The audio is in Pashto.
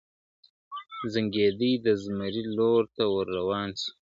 زنګېدی د زمري لور ته ور روان سو ..